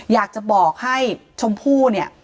อยากจะบอกให้ชมพู่เนี่ย